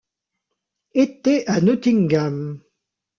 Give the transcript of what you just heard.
Été à Nottingham.